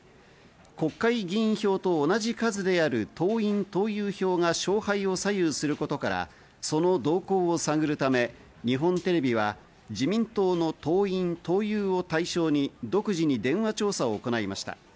国会議員票と同じ数である党員・党友票が勝敗を左右することからその動向を探るため日本テレビは自民党の党員・党友を対象に独自に電話調査を行いました。